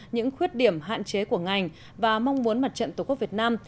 những khuyết điểm hạn chế của ngành và mong muốn mặt trận tổ quốc việt nam